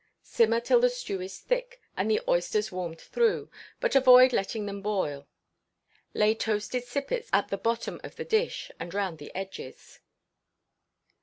Simmer till the stew is thick, and the oysters warmed through, but avoid letting them boil. Lay toasted sippets at the bottom of the dish and round the edges.